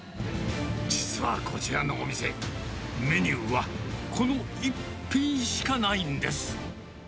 実はこちらのお店、メニューはこの一品しかないんです。